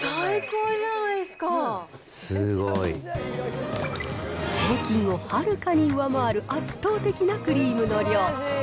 すごい。平均をはるかに上回る圧倒的なクリームの量。